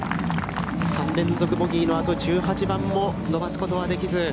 ３連続ボギーのあと、１８番も伸ばすことはできず。